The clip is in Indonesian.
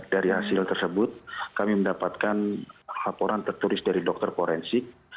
dari hasil tersebut kami mendapatkan laporan tertulis dari dokter forensik